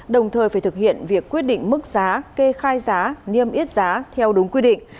đồng thời phải thực hiện việc quyết định mức giá kê khai giá niêm yết giá theo đúng quy định